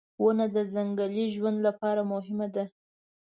• ونه د ځنګلي ژوند لپاره مهمه ده.